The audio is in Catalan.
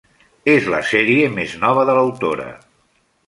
És la sèrie més nova de l'autora.